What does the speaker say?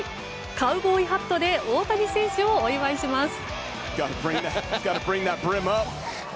カウボーイハットで大谷選手をお祝いします。